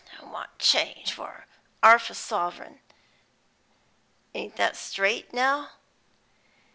I want change for arf a suvrin: ain't that straight, now?"